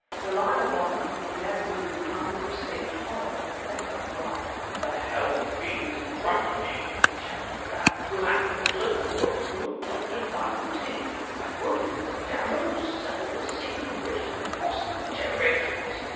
Sir Lionel Barton, his gag removed, unloosed a torrent of pent up wrath. "The hell fiends drugged me!" he shouted. "That black villain Homopoulo doctored my tea! I woke in this damnable cell, the secret of which has been lost for generations!"